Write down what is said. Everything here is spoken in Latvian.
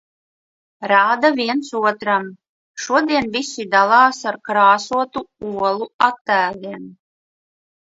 Rāda viens otram. Šodien visi dalās ar krāsotu olu attēliem.